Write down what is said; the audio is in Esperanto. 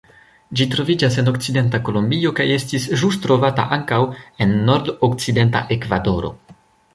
Ĝi troviĝas en okcidenta Kolombio kaj estis ĵus trovata ankaŭ en nordokcidenta Ekvadoro.